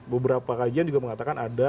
beberapa kajian juga mengatakan ada